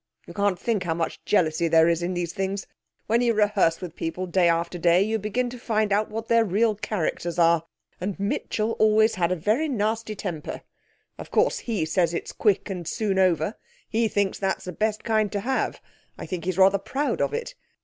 You can't think how much jealousy there is in these things! When you rehearse with people day after day you begin to find out what their real characters are. And Mitchell always had a very nasty temper. Of course, he says it's quick and soon over. He thinks that's the best kind to have. I think he's rather proud of it.